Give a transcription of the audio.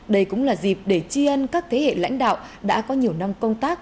đây cũng là dịp để chi ân các thế hệ lãnh đạo đã có nhiều năm công tác